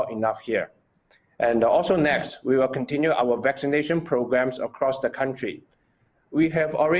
dan juga selanjutnya kita akan terus memperoleh program vaksinasi di seluruh negara